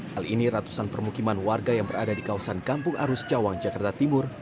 hal ini ratusan permukiman warga yang berada di kawasan kampung arus cawang jakarta timur